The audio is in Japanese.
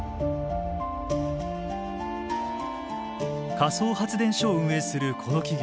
仮想発電所を運営するこの企業。